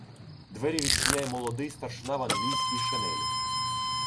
Двері відчиняє молодий старшина в англійській шинелі.